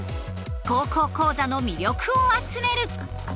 「高校講座」の魅力を集める！